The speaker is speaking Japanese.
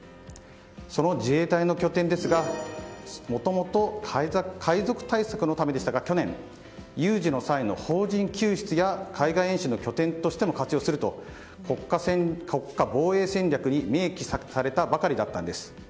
その自衛隊の拠点ですがもともと海賊対策のためでしたが去年、有事の際の邦人救出や海外演習の拠点としても活用すると、国家防衛戦略に明記されたばかりだったんです。